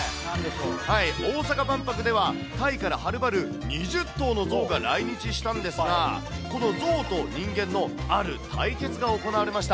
大阪万博では、タイからはるばる２０頭の象が来日したんですが、この象と人間のある対決が行われました。